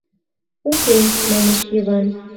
— Уке, — манеш Йыван.